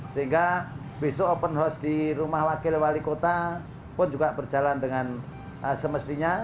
sehingga besok open house di rumah wakil wali kota pun juga berjalan dengan semestinya